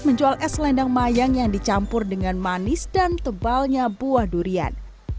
menjual es lendang mayang yang dicampur dengan manis dan tebalnya buah durian